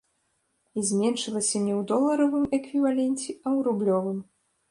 І зменшыліся не ў доларавым эквіваленце, а ў рублёвым.